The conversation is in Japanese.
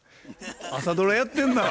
朝ドラやってんなぁ。